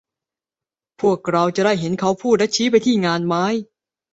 พวกเราจะได้เห็นเขาพูดและชี้ไปที่งานไม้